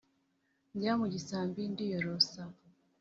Njya mu gisambi ndiyorosa.